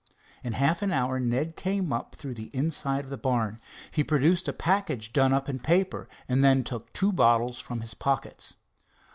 In half an hour Ned came up through the inside of the barn. He produced a package done up in paper, and then took two bottles from his pockets.